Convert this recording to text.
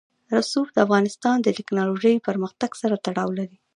رسوب د افغانستان د تکنالوژۍ پرمختګ سره تړاو لري.